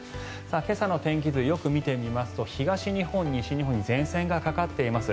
今朝の天気図よく見てみますと東日本、西日本に前線がかかっています。